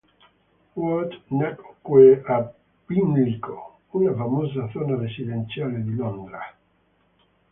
Ward nacque a Pimlico, una famosa zona residenziale di Londra.